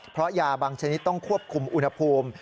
เพราะยาบางชนิดต้องควบคุมอุณหภูมิ